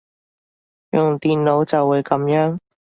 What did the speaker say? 用電腦就會噉樣